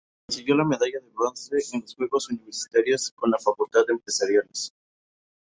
Consiguió la medalla de bronce en los Juegos Universitarios con la Facultad de Empresariales.